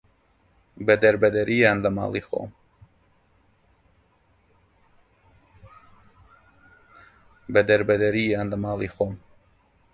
بە دەربەدەری یان لە ماڵی خۆم